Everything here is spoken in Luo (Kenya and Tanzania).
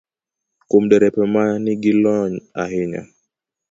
Kuom derepe ma nigi lony ahinya,